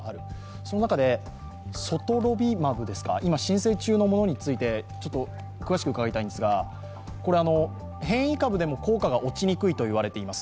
その中で、ソトロビマブですか、今、申請中のものについて詳しく伺いたいんですが、これ、変異株でも効果が落ちにくいといわれています。